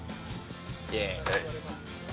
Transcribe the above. イエーイ